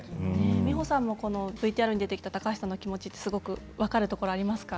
美穂さんもこのＶＴＲに出てきた高橋さんの気持ちってすごく分かるところありますか。